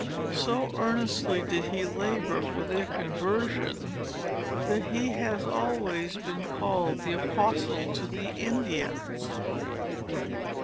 So earnestly did he labor for their conversion, that he has always been called the apostle to the Indians.